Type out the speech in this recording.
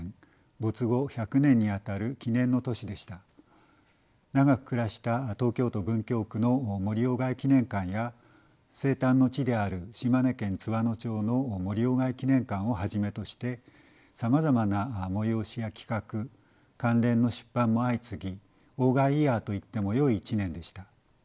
没後１００年にあたる記念の年でした長く暮らした東京都文京区の森外記念館や生誕の地である島根県津和野町の森外記念館をはじめとしてさまざまな催しや企画関連の出版も相次ぎ外イヤーといってもよい１年でした。